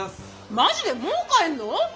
マジでもう帰んの！？